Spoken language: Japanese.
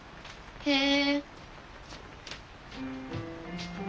へえ。